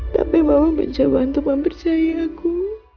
tapi mama bercoba untuk mempercayai aku